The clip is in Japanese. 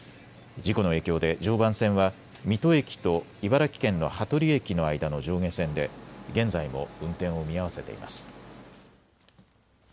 事故の影響で常磐線は水戸駅と茨城県の羽鳥駅の間の上下線で現在も運転を見合わせています。